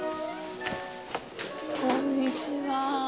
こんにちは。